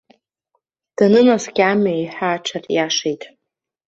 Данынаскьа амҩа еиҳа аҽариашеит.